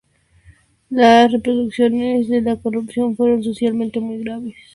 Las repercusiones de la corrupción fueron socialmente muy graves.